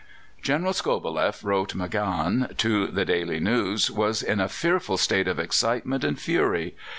"General Skobeleff," wrote MacGahan to the Daily News, "was in a fearful state of excitement and fury.